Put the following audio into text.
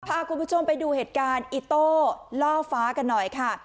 พาคุณผู้ชมไปดูเหตุการณ์อิโต้ล่อฟ้ากันหน่อยค่ะ